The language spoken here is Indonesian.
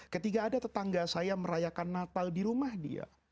ketika ada tetangga saya merayakan natal di rumah dia